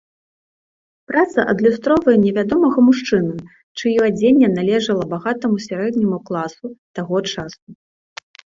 Праца адлюстроўвае невядомага мужчыну, чыё адзенне належала багатаму сярэдняму класу таго часу.